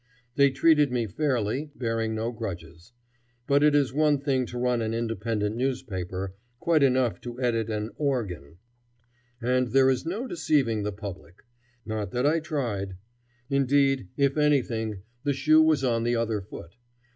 They treated me fairly, bearing no grudges. But it is one thing to run an independent newspaper, quite another to edit an "organ." And there is no deceiving the public. Not that I tried. Indeed, if anything, the shoe was on the other foot.